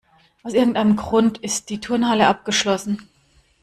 Aus irgendeinem Grund ist die Turnhalle abgeschlossen.